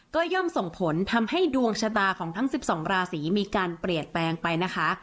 ก็ย่อมส่งผลทำให้ดวงชะตาของทั้ง๑๒ราศีมีการเปลี่ยนแปลงไปนะคะ